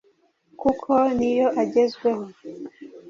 kuko ni yo agezweho,